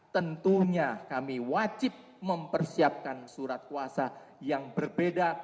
tentunya kami wajib mempersiapkan surat kuasa yang berbeda